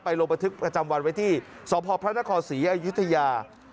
ไปลงประทึกประจำวันไว้ที่สพศศอยุธยา